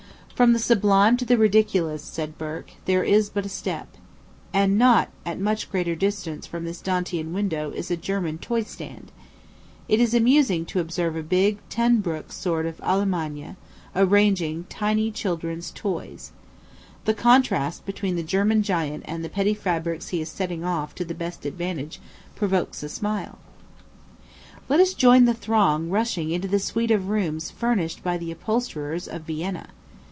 "From the sublime to the ridiculous," said Burke, "there is but a step;" and at not much greater distance from this Dantean window is a German toy stand. It is amusing to observe a big, "Tenbroek" sort of son of Allemagne, arranging tiny children's toys. The contrast between the German giant and the petty fabrics he is setting off to the best advantage, provokes a smile. Let us join the throng rushing into the suite of rooms furnished by the upholsterers of Vienna.